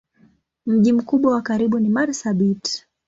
Mji mkubwa wa karibu ni Marsabit.